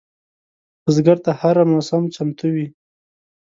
بزګر ته هره موسم چمتو وي